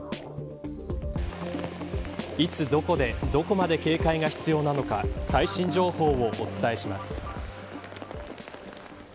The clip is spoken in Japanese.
いつ、どこでどこまで警戒が必要なのか最新情報をお伝えします。